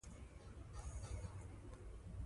همغږي د ټولنې د فعالیتونو موثریت زیاتوي.